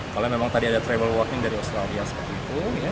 kalau memang tadi ada travel warning dari australia seperti itu